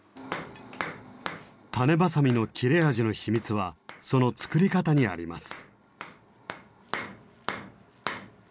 種子鋏の切れ味の秘密はその作り方にあります。